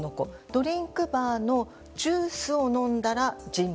ドリンクバーのジュースを飲んだらじん